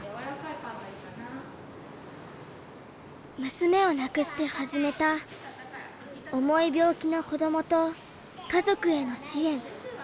娘を亡くして始めた重い病気の子どもと家族への支援。